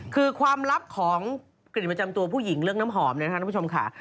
คือความลับของกลิ่นประจำตัวผู้หญิงเรื่องน้ำหอมนะฮะ